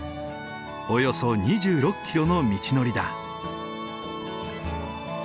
およそ２６キロの道のりだ。